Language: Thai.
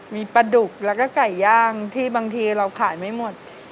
มีปลาดุกแล้วก็ไก่ย่างที่บางทีเราขายไม่หมด